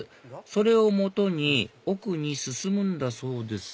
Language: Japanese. それを基に奥に進むんだそうです